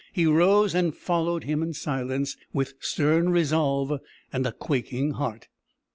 He rose and followed him in silence, with stern resolve and a quaking heart!